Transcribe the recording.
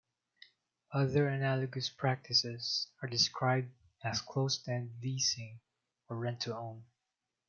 Other analogous practices are described as closed-end leasing or rent to own.